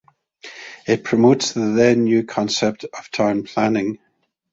It promotes the then mew concept of town planning.